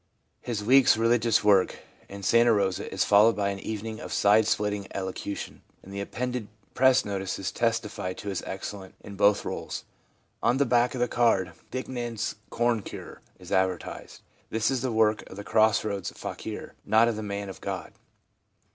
His week's religious work, in Santa Rosa, is followed by an evening of side splitting elocution, and the appended press notices testify to his excellence in both roles. On the back of the card "Dignan's Corn Cure" is advertised. This is the work of the cross roads fakir, not of the man of God.